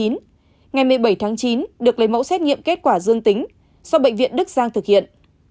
ngày một mươi bảy tháng chín được lấy mẫu xét nghiệm kết quả dương tính do bệnh viện đức giang thực hiện